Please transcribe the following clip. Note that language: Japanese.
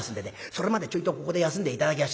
それまでちょいとここで休んで頂きやしてええ。